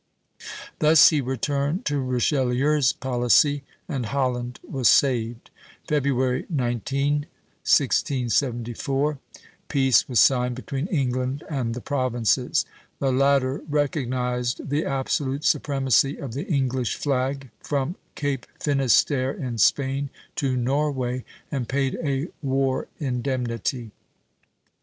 Thus he returned to Richelieu's policy, and Holland was saved. February 19, 1674, peace was signed between England and the Provinces. The latter recognized the absolute supremacy of the English flag from Cape Finisterre in Spain to Norway, and paid a war indemnity.